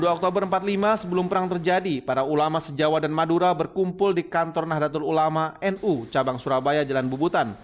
dua puluh oktober seribu sembilan ratus lima sebelum perang terjadi para ulama sejawa dan madura berkumpul di kantor nahdlatul ulama nu cabang surabaya jalan bubutan